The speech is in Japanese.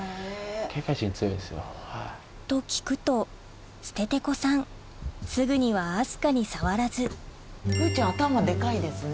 警戒心強いんですよ。と聞くとステテコさんすぐには明日香に触らず風ちゃん頭デカいですね。